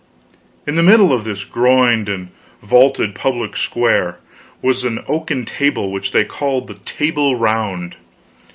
In the middle of this groined and vaulted public square was an oaken table which they called the Table Round.